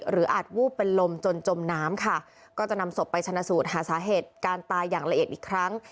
อาจวูบเป็นลมจนจมน้ำค่ะก็จะนำศพไปชนะสูตรหาสาเหตุการตายอย่างละเอียดอีกครั้ง